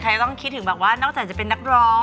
ใครกำคิดถึงเนอะจากจะเป็นนักร้อง